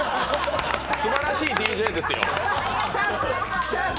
すばらしいＤＪですよ。